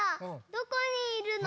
どこにいるの？